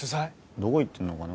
どこ行ってんのかな？